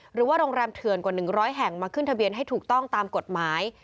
หรือว่าโรงแรมเถื่อนกว่า๑๐๐แห่งมาขึ้นทะเบียนให้ถูกต้องตามกฎหมาย